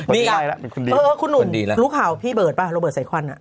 ถ้าคุณหนุ่นรู้ข่าวพี่เบิร์ดปะโรเบิร์ดสายควัน